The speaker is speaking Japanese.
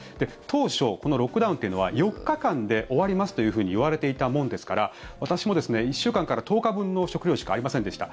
当初このロックダウンというのは４日間で終わりますというふうにいわれていたもんですから私も１週間から１０日分の食料しかありませんでした。